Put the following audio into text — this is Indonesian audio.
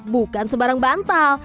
bukan sembarang bantal